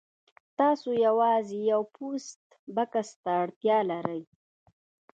تاسو یوازې یو پوسټ بکس ته اړتیا لرئ